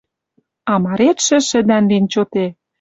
А маретшӹ шӹдӓн лин чоте.